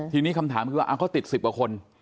ทีนี้คำถามคือว่าเขาติด๑๐กว่าคน